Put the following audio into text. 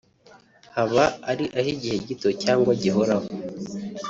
haba ari ah’igihe gito cyangwa gihoraho